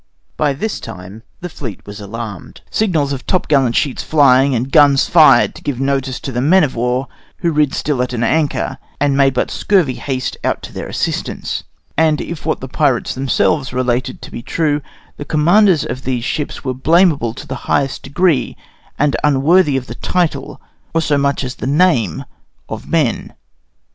By this time the fleet was alarmed: signals of top gallant sheets flying and guns fired to give notice to the men of war, who rid still at an anchor, and made but scurvy haste out to their assistance; and if what the pirates themselves related to be true, the commanders of those ships were blameable to the highest degree, and unworthy the title, or so much as the name, of men.